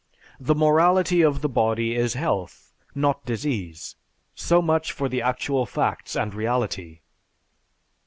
The morality of the body is health not disease. So much for the actual facts and reality.